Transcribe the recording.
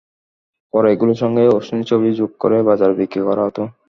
পরে এগুলোর সঙ্গে অশ্লীল ছবি যোগ করে বাজারে বিক্রি করা হতো।